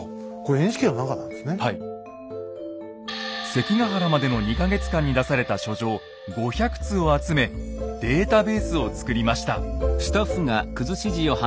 関ヶ原までの２か月間に出された書状５００通を集めデータベースを作りました。